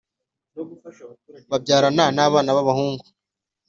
babyarana abana b’abahungu,